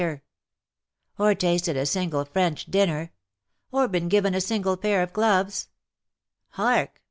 ^'''' Or tasted a single French dinner.'''' " Or been given a single pair of gloves/^ "Hark!"